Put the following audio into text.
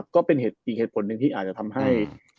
ก็เป็นอีกเหตุผลหนึ่งที่อาจจะทำให้